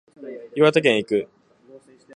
岩手県へ行く